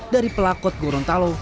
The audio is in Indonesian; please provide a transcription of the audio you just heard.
dari pelakot gorontalo